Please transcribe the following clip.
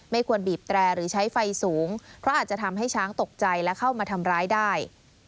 ควรบีบแตรหรือใช้ไฟสูงเพราะอาจจะทำให้ช้างตกใจและเข้ามาทำร้ายได้